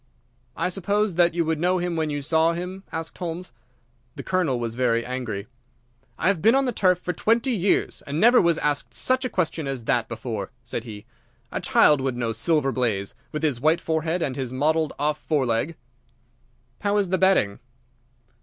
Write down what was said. "I suppose that you would know him when you saw him?" asked Holmes. The Colonel was very angry. "I have been on the turf for twenty years, and never was asked such a question as that before," said he. "A child would know Silver Blaze, with his white forehead and his mottled off foreleg." "How is the betting?"